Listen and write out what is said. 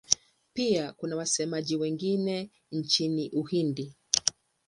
Pia kuna wasemaji wengine nchini Uhindi.